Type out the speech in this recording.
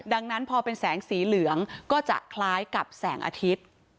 ดังนั้นพอเป็นแสงสีเหลืองก็จะคล้ายกับแสงอาทิตย์